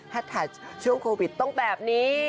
ถ้าถ่ายช่วงโควิดต้องแบบนี้